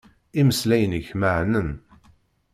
Imeslayen-ik meɛnen.